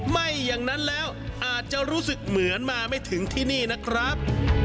ไม่อย่างนั้นแล้วอาจจะรู้สึกเหมือนมาไม่ถึงที่นี่นะครับ